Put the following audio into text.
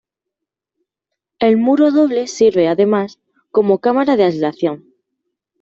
El muro doble sirve además, como cámara de aislación.